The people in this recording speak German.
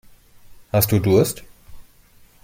Hast du Durst?